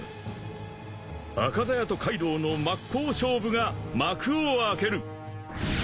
［赤鞘とカイドウの真っ向勝負が幕を開ける］